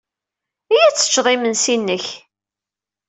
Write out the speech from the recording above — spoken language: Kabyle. Iyya ad teččeḍ imensi-inek.